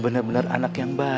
udah ngga ada yang kan